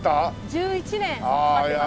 １１年かかってます。